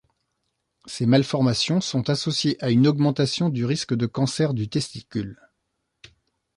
Ces malformations sont associées à une augmentation du risque de cancer du testicule.